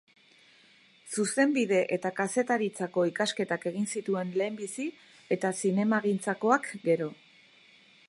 Zuzenbide eta kazetaritzako ikasketak egin zituen lehenbizi, eta zinemagintzakoak gero.